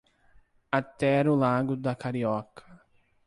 Até o largo da Carioca.